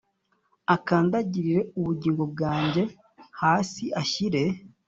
Akandagirire ubugingo bwanjye hasi Ashyire